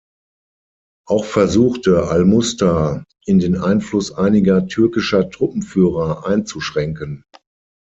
Auch versuchte al-Musta'in den Einfluss einiger türkischer Truppenführer einzuschränken.